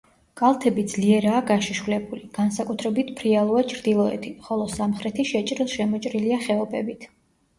კალთები ძლიერაა გაშიშვლებული, განსაკუთრებით ფრიალოა ჩრდილოეთი, ხოლო სამხრეთი შეჭრილ-შემოჭრილია ხეობებით.